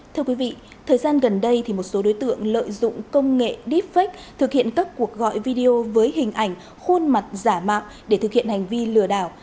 thưa quý vị thời gian gần đây một số đối tượng lợi dụng công nghệ deepfake thực hiện các cuộc gọi video với hình ảnh khuôn mặt giả mạo để thực hiện hành vi lừa đảo